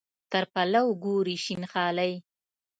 تر پلو ګوري شین خالۍ.